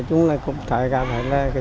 chúng ta cũng thể gặp lại